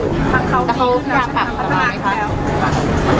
แต่เขาอยากปรับอะไรค่ะ